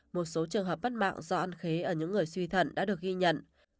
một số trường hợp bất mạng do ăn khế ở những người suy thận đã được ghi nhận